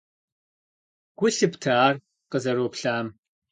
Гу лъыпта ар къызэроплъам?